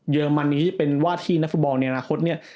เยอรมนีที่เป็นวาดที่นักฝุกบอกในประมาท